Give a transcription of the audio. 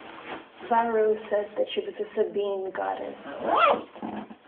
Varro said she was a Sabine goddess.